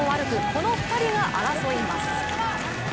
この２人が争います。